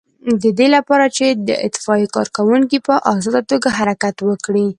د دې لپاره چې د اطفائیې کارکوونکي په آزاده توګه حرکت وکړي.